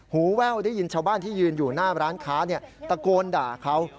แว่วได้ยินชาวบ้านที่ยืนอยู่หน้าร้านค้าตะโกนด่าเขา